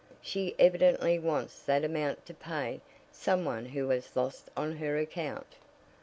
She evidently wants that amount to pay some one who has lost on her account."